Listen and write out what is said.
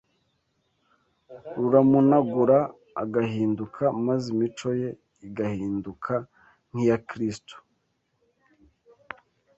ruramunagura agahinduka maze imico ye igahinduka nk’iya Kristo